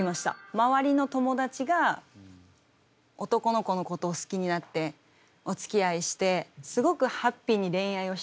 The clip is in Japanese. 周りの友達が男の子のことを好きになっておつきあいしてすごくハッピーに恋愛をしている。